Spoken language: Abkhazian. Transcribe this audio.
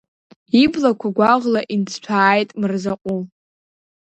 Иблақәа гәаӷла инҭҭәааит Мырзаҟәыл.